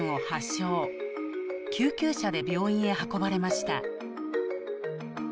救急車で病院へ運ばれました。